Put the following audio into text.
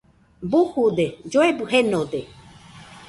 Bujude, lloebɨ jenode